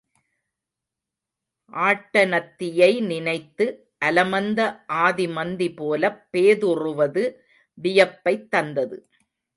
ஆட்டனத்தியை நினைத்து அலமந்த ஆதிமந்தி போலப் பேதுறுவது வியப்பைத் தந்தது.